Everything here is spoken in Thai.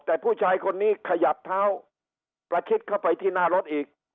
แต่ผู้ชายคนนี้ขยับเท้าประชิดเข้าไปที่หน้ารถอีก